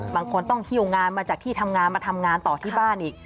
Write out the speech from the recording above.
บางคนต้องหิ้วงานมาจากที่ทำงานมาทำงานต่อที่บ้านอีก